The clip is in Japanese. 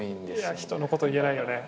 人のこと言えないよね。